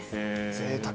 ぜいたく。